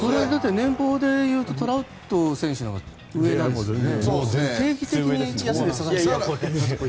年俸でいうとトラウト選手のほうが上なんですよね。